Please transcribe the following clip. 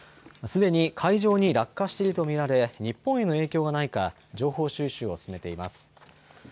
すでに海上に落下していると見られ日本への影響がないか情報収集を進めています。